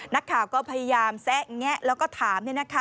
นักข่าวก็พยายามแซะแงะแล้วก็ถาม